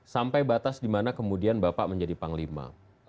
sampai batas di mana kemudian bapak menjadi panglima